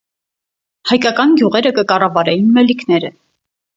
Հայկական գիւղերը կը կառաւարէին մելիքները։